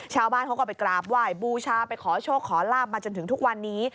ชาวบ้านเขาก็ไปกราบไหว้บูชาไปขอโชคขอลาบมาจนถึงทุกวันนี้